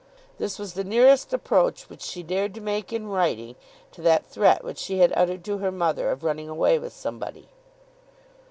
This was the nearest approach which she dared to make in writing to that threat which she had uttered to her mother of running away with somebody.